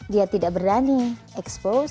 dia tidak berani expose